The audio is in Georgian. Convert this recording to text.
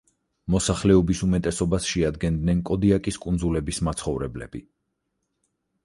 მოსახლეობის უმეტესობას შეადგენდნენ კოდიაკის კუნძულების მაცხოვრებლები.